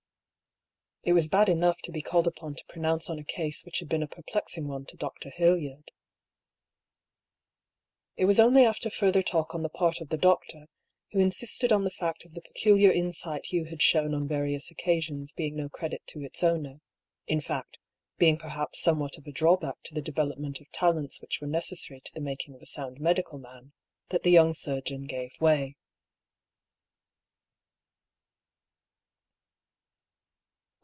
It was bad enough to be called upon to pronounce on a case which had been a perplexing one to Dr. Hild yard. It was ouly after further talk on the part of the doctor, who insisted on the fact of the peculiar insight Hugh had shown on various occasions being no credit to its owner — in fact, being perhaps somewhat of a drawback to the development of talents which were necessary to the making of a sound medical man, that the young surgeon gave way.